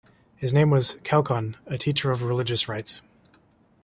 His name was "Kaukon", a teacher of religious rites.